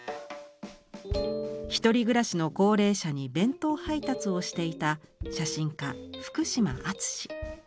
１人暮らしの高齢者に弁当配達をしていた写真家福島あつし。